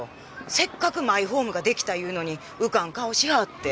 せっかくマイホームが出来たいうのに浮かん顔しはって。